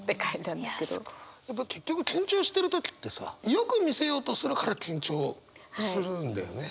結局緊張してる時ってさよく見せようとするから緊張するんだよね。